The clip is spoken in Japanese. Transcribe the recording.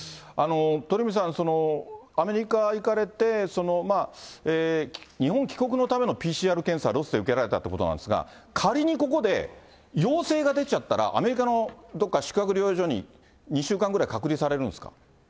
鳥海さん、アメリカ行かれて、日本帰国のためのＰＣＲ検査をロスで受けられたということなんですが、仮にここで陽性が出ちゃったら、アメリカのどこか宿泊療養所に２週間ぐらい隔離されるんですか。